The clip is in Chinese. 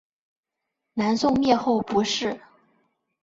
南宋灭后不仕。